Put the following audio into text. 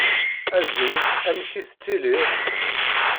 Azul. Amek i tettiliḍ?